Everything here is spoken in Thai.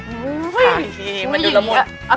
อุ้ยมันดูละมุด